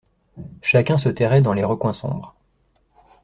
Chacun se terrait dans les recoins sombres.